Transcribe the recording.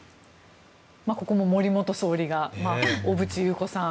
ここも森元総理が小渕優子さん。